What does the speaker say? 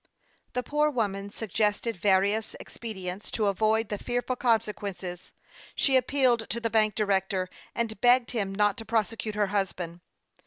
The poor woman suggested various expedients to avoid the fearful consequences ; she appealed to the bank director, and begged him not to prosecute her husband.